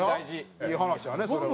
いい話やねそれは。